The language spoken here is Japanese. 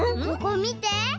ここみて。